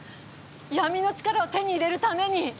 闇の力を手に入れるために！